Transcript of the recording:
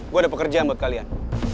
gue ada pekerjaan buat kalian